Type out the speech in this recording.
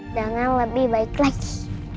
dengan lebih baik lagi